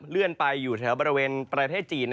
เลื่อนไปอยู่แถวบริเวณประเทศจีน